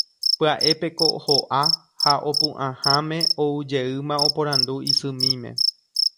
pya'épeko ho'a ha opu'ãháme oujeýma oporandu isymíme.